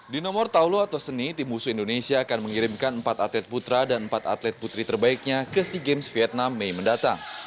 di nomor taulu atau seni tim husu indonesia akan mengirimkan empat atlet putra dan empat atlet putri terbaiknya ke sea games vietnam mei mendatang